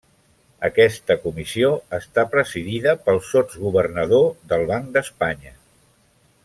Aquesta comissió està presidida pel sotsgovernador del Banc d'Espanya.